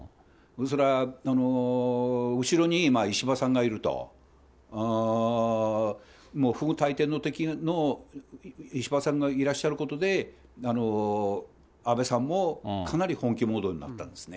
それは後ろに石破さんがいると、もう不倶戴天の敵の石破さんがいらっしゃることで、安倍さんもかなり本気モードになったんですね。